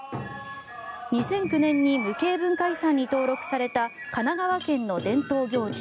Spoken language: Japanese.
２００９年に無形文化遺産に登録された神奈川県の伝統行事